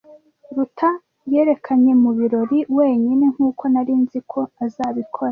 Ruta yerekanye mu birori wenyine, nkuko nari nzi ko azabikora.